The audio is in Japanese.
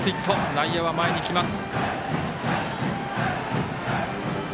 内野は前に来ます。